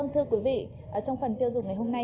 thưa quý vị trong phần tiêu dùng ngày hôm nay